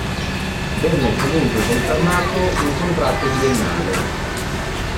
Viene comunque confermato con un contratto biennale.